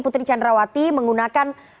putri candrawati menggunakan